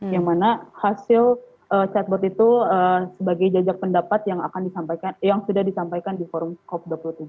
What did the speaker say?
yang mana hasil chatbot itu sebagai jajak pendapat yang sudah disampaikan di forum cop dua puluh tujuh